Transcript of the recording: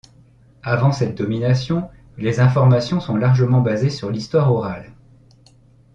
Avant cette domination, les informations sont largement basées sur l'histoire orale.